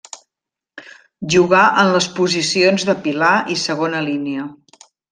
Jugà en les posicions de pilar i segona línia.